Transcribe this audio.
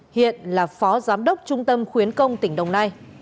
hiện là phó giám đốc trung tâm khuyến công tỉnh đồng nai